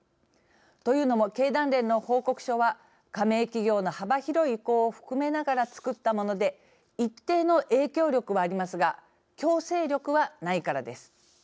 というのも、経団連の報告書は加盟企業の幅広い意向を含めながら作ったもので一定の影響力はありますが強制力はないからです。